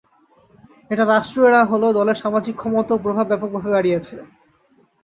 এটা রাষ্ট্রীয় না হলেও দলের সামাজিক ক্ষমতা ও প্রভাব ব্যাপকভাবে বাড়িয়েছে।